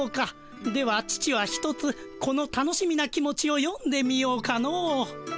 では父はひとつこの楽しみな気持ちをよんでみようかの。